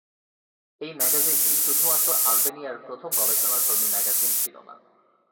এই ম্যাগাজিনটি শুধুমাত্র আলবেনিয়ার প্রথম গবেষণাধর্মী ম্যাগাজিন ছিলো না।